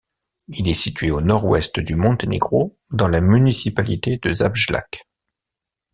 Il est situé au nord ouest du Monténégro dans la municipalité de Žabljak.